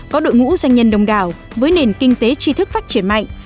có đội ngũ doanh nhân đông đảo với nền kinh tế tri thức phát triển mạnh